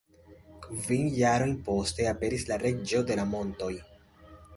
Kvin jarojn poste aperis La Reĝo de la Montoj.